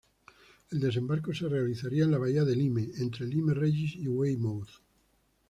El desembarco se realizaría en la bahía de Lyme, entre Lyme Regis y Weymouth.